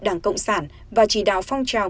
đảng cộng sản và chỉ đạo phong trào